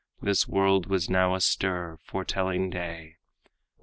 This world was now astir, foretelling day.